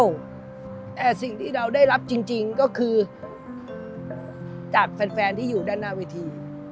แต่สิ่งที่เราได้รับจริงก็คือจากแฟนที่อยู่ด้านหน้าเวที